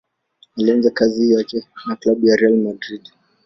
Alianza kazi yake na klabu ya Real Madrid.